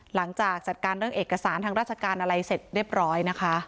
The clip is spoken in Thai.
หลังจากจัดการเรื่องเอกสารทางราชการอะไรเสร็จเรียบร้อยนะคะ